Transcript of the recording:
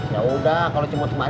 yaudah kalau cimut kemari